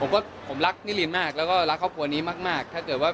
ผมรักนิรินมากแล้วก็รักครอบครัวนี้มาก